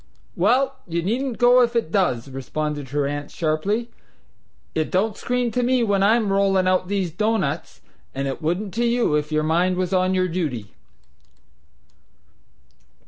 "Well, you needn't go if it does!" responded her aunt sharply. "It don't scream to me when I'm rollin' out these doughnuts, and it wouldn't to you if your mind was on your duty."